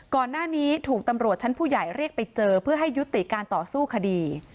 ก่อนหน้านี้ถูกตำรวจชั้นผู้ใหญ่เรียกไปเจอเพื่อให้ยุติการต่อสู้คดี